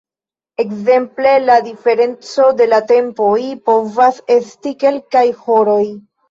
Ekzemple la diferenco de la tempoj povas esti kelkaj horoj.